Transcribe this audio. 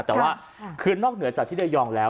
แต่ว่าคือนอกเหนือจากที่ระยองแล้ว